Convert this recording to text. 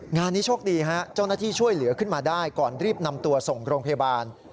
งานนี้โชคดีฮะเจ้าหน้าที่ช่วยเหลือขึ้นมาได้ก่อนรีบนำตัวส่งโรงพยาบาล